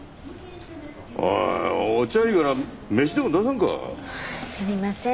おいお茶いいから飯でも出さんか。